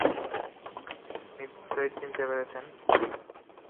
নিশ্চয়ই চিনতে পেরেছ।